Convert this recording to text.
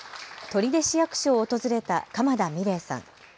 取手市役所を訪れた鎌田美礼さん。